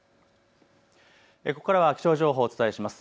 ここからは気象情報をお伝えします。